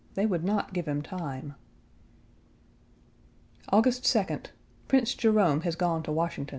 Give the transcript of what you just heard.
They would not give him time. August 2d. Prince Jerome1 has gone to Washington.